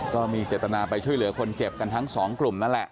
ก็มีเจตนาไปช่วยเหลือคนเจ็บกันทั้งสองกลุ่มนั่นแหละ